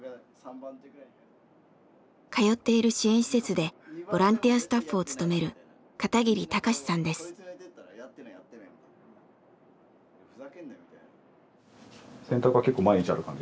通っている支援施設でボランティアスタッフを務める洗濯は結構毎日やる感じですか？